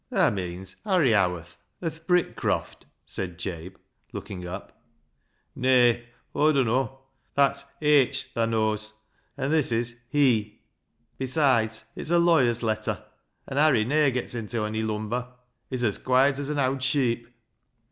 " Thaa meeans Harry Howarth o' th' Brick croft," said Jabe, looking up. " Nay, Aw dunno ; that's 'Haitch' thaa knows, an' this is ' Hee.' Besides, it's a lawyer's letter, an' Harry ne'er gets inta ony lumber. He's as quiet as an owd sheep."